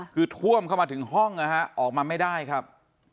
คือท่วมเข้ามาถึงห้องนะฮะออกมาไม่ได้ครับ